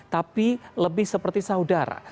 tapi lebih seperti saudara